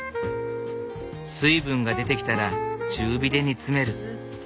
水分が出てきたら中火で煮詰める。